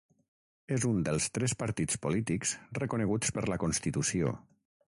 És un dels tres partits polítics reconeguts per la constitució.